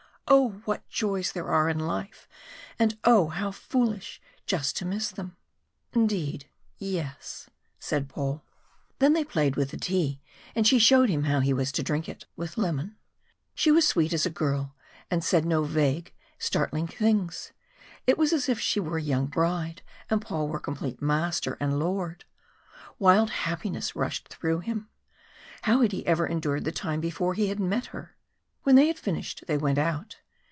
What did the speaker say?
Oh! what joys there are in life; and oh! how foolish just to miss them." "Indeed, yes," said Paul. Then they played with the tea, and she showed him how he was to drink it with lemon. She was sweet as a girl, and said no vague, startling things; it was as if she were a young bride, and Paul were complete master and lord! Wild happiness rushed through him. How had he ever endured the time before he had met her? When they had finished they went out.